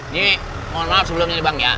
nih mohon maaf sebelum ini bang